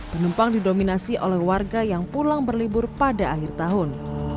penumpang didominasi oleh warga yang pulang berlibur pada akhir tahun